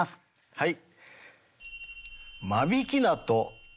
はい。